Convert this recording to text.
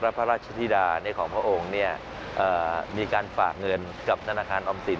พระราชธิดาของพระองค์มีการฝากเงินกับธนาคารออมสิน